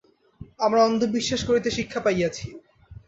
আমরা অন্ধবিশ্বাস করিতে শিক্ষা পাইয়াছি।